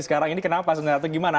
sekarang ini kenapa sebenarnya atau gimana